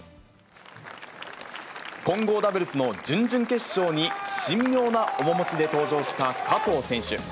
混合ダブルスの準々決勝に、神妙な面持ちで登場した加藤選手。